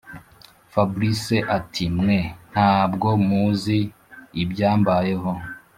fabric ati”mwe ntabwo muzi ibyambayeho”